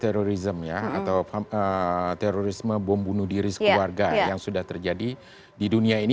terorisme ya atau terorisme bom bunuh diri sekeluarga yang sudah terjadi di dunia ini